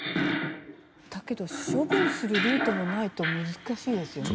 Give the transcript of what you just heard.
だけど処分するルートもないと難しいですよね。